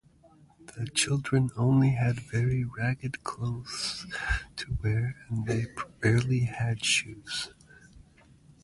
The children only had very ragged clothes to wear and they rarely had shoes.